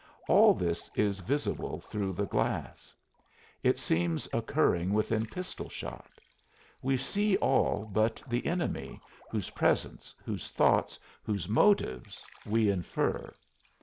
All this is visible through the glass; it seems occurring within pistol shot; we see all but the enemy, whose presence, whose thoughts, whose motives we infer.